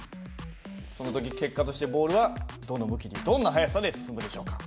その時結果としてボールはどの向きにどんな速さで進むでしょうか？